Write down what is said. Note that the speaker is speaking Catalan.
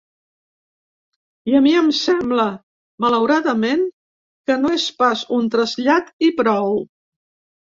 I a mi em sembla, malauradament, que no és pas un trasllat i prou.